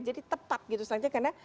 jadi tetap gitu saja karena